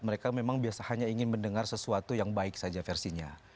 mereka memang biasanya hanya ingin mendengar sesuatu yang baik saja versinya